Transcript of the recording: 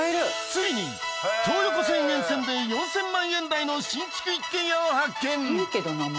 ついに東横線沿線で４０００万円台の新築一軒家を発見！